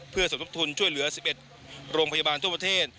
เพื่อสมทบทุนช่วยเหลือ๑๑โรงพยาบาลทั่วประเทศ